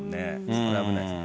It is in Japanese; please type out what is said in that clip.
それは危ないです。